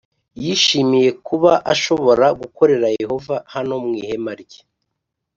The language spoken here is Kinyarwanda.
yishimiye kuba ashobora gukorera Yehova hano mu ihema rye